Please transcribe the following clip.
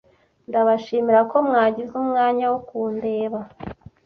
Ndabashimira ko mwagize umwanya wo kundeba.